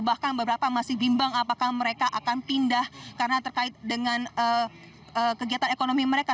bahkan beberapa masih bimbang apakah mereka akan pindah karena terkait dengan kegiatan ekonomi mereka